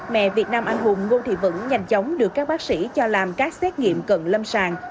mẹ việt nam anh hùng ngô thị vững nhanh chóng được các bác sĩ cho làm các xét nghiệm cận lâm sàng